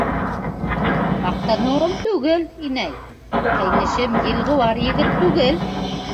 — Маҡтаныуым түгел, инәй, ҡәйнешем елғыуар егет түгел.